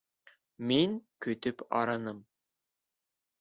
Мин көтөп арыным.